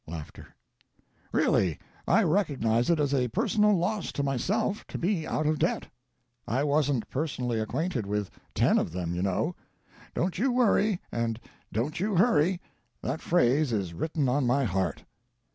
Really, I recognize it as a personal loan to myself to be out of debt. I wasn't personally acquainted with ten of them, you know. 'Don't you worry and don't you hurry'; that phrase is written on my heart.